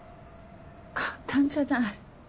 簡単じゃない。